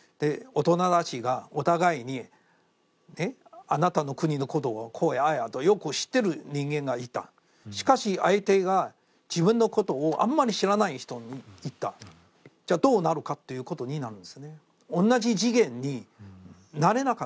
大人たちがお互いに、あなたの国のことをこうだ、ああだとよく知ってる人間がいた、しかし、相手が自分のことをあんまり知らない人になった、じゃ、どうなるかということなんですね。